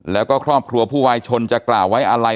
แล้วก็ครอบครัวผู้วายชนจะกล่าวไว้อะไร